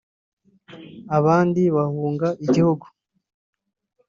abandi bahunga igihugu